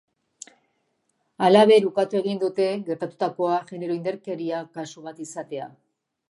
Halaber, ukatu egin dute gertatutakoa genero indarkeria kasu bat izatea.